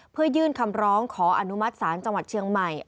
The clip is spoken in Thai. เพื่อยื่นคำร้องขออนุมัติศาลจังหวัดเชียงใหม่